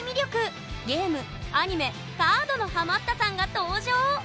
ゲームアニメカードのハマったさんが登場！